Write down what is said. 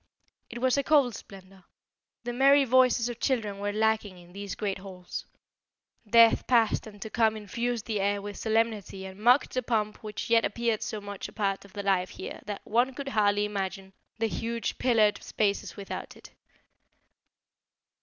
It was a cold splendour. The merry voices of children were lacking in these great halls. Death past and to come infused the air with solemnity and mocked the pomp which yet appeared so much a part of the life here that one could hardly imagine the huge pillared spaces without it.